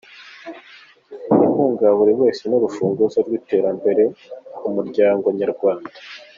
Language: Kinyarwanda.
Inkunga ya buri wese ni urufunguzo rw’iterambere ku muryango nyarwanda.